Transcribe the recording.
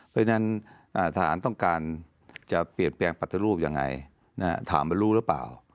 เพราะฉะนั้นทหารต้องการจะเปลี่ยนแปลงปฏิรูปยังไงถามมันรู้หรือเปล่า